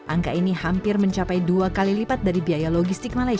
angka ini hampir mencapai dua kali lipat dari biaya logistik malaysia